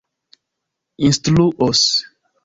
instruos